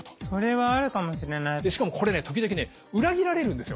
しかもこれね時々ね裏切られるんですよ